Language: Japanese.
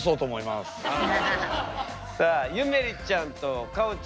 さあゆめりちゃんとかおちゃん。